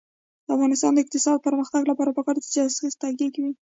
د افغانستان د اقتصادي پرمختګ لپاره پکار ده چې تشخیص دقیق وي.